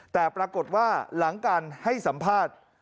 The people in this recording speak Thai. แต่ปรากฏว่าหลังการให้สัมภาษณ์